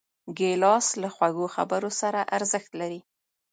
ګیلاس له خوږو خبرو سره ارزښت لري.